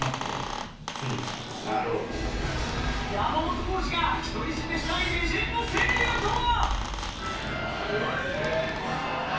山本耕史が独り占めしたいレジェンド声優とは？